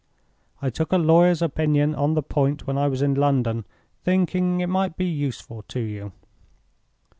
I took a lawyer's opinion on the point when I was in London, thinking it might be useful to you."